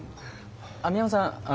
網浜さん